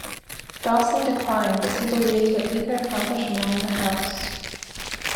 Dawson declined as he believed that he could accomplish more in the House.